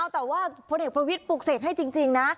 แต่ว่าพลเอกประวิทย์ปลูกเสกให้จริงนะ